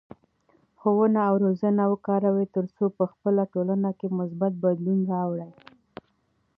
ښوونه او روزنه وکاروه ترڅو په خپله ټولنه کې مثبت بدلون راوړې.